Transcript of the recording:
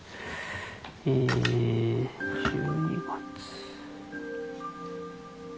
え１２月。